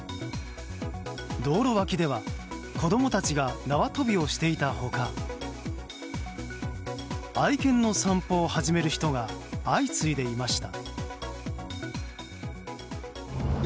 道路脇では子供たちが縄跳びをしていた他愛犬の散歩を始める人が相次いでいました。